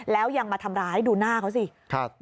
แล้วยังมาทำร้ายดูหน้าเขาสิ